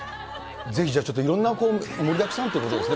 ぜひ、じゃあいろんな、盛りだくさんということですね。